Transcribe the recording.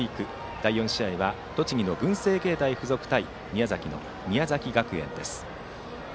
第４試合は栃木の文星芸大付属対宮崎の宮崎学園です。